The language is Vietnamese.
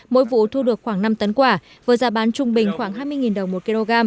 mỗi vụ thu được khoảng năm tấn quả với giá bán trung bình khoảng hai mươi đồng một kg